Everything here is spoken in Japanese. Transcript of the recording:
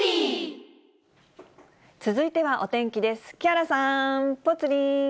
続いてはお天気です。